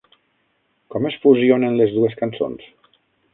Com es fusionen les dues cançons?